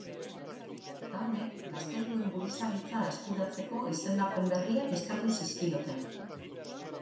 Jaunek gazteluen buruzagitza eskuratzeko izendapen berriak eskatu zizkioten.